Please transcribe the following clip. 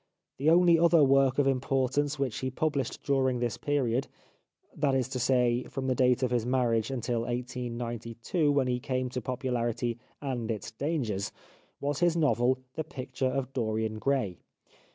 The only other work of importance which he published during this period — that is to say, from the date of his marriage until 1892, when he came to popularity and its dangers — was his novel " The Picture of Dorian Gray."